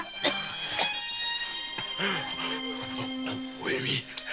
お弓。